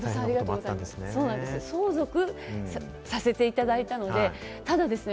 相続させていただいたので、ただですね